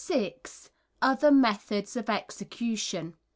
Other Methods of Execution.